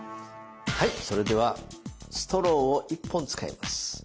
はいそれではストローを１本使います。